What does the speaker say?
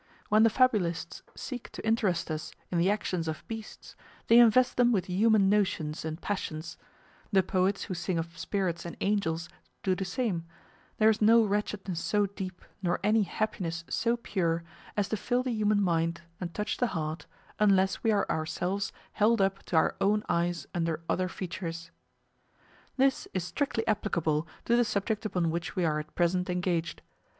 When the fabulists seek to interest us in the actions of beasts, they invest them with human notions and passions; the poets who sing of spirits and angels do the same; there is no wretchedness so deep, nor any happiness so pure, as to fill the human mind and touch the heart, unless we are ourselves held up to our own eyes under other features. This is strictly applicable to the subject upon which we are at present engaged.